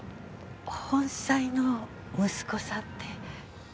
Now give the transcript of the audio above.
本妻の息子さんって。